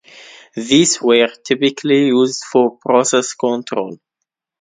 These were typically used for process control.